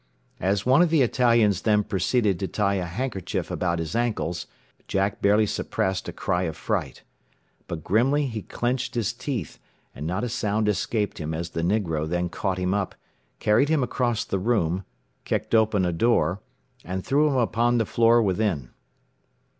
As one of the Italians then proceeded to tie a handkerchief about his ankles, Jack barely suppressed a cry of fright. But grimly he clenched his teeth, and not a sound escaped him as the negro then caught him up, carried him across the room, kicked open a door, and threw him upon the floor within.